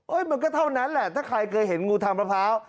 มันก็เท่านั้นแหละถ้าใครเคยเห็นงูทางมะพร้าว